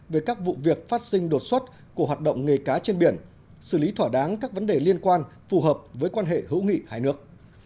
về các vụ việc phát sinh đột xuất của hoạt động nghề cá trên biển xử lý thỏa đáng các vấn đề liên quan phù hợp với quan hệ hữu nghị hai nước